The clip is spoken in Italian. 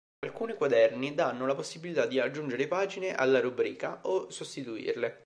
Alcuni quaderni danno la possibilità di aggiungere pagine alla rubrica o sostituirle.